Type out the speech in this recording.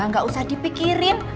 enggak usah dipikirin